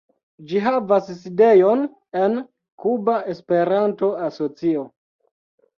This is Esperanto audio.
Ĝi havas sidejon en Kuba Esperanto-Asocio.